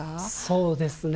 そうですね。